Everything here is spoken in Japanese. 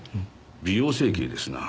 美容整形ですな。